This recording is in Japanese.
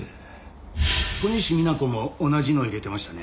小西皆子も同じの入れてましたね。